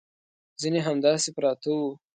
ځینې همداسې پراته وو.